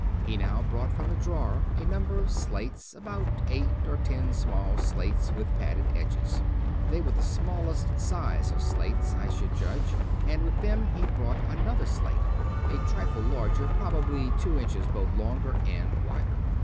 He now brought from a drawer a number of slates — about eight or ten small slates with padded edges. They 242 David P. Abbott were the smallest size of slates, I should judge; and with them he brought another slate, a trifle larger, probably two inches both longer and wider.